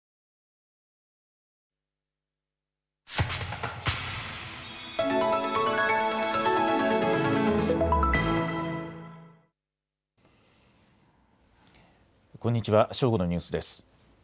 正午のニュースです。